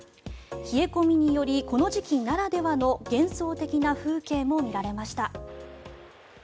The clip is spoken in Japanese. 冷え込みによりこの時期ならではの幻想的な風景も見られました。